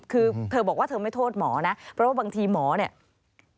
คือเธอบอกว่าเธอไม่โทษหมอนะเพราะว่าบางทีหมอเนี่ย